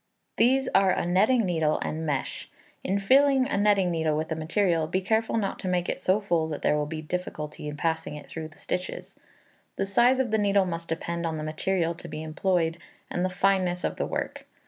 These are a netting needle and mesh. In filling a netting needle with the material, be careful not to make it so full that there will be a difficulty in passing it through the stitches. The size of the needle must depend on the material to be employed, and the fineness of the work.